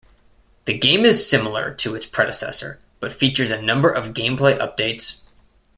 The game is similar to its predecessor, but features a number of gameplay updates.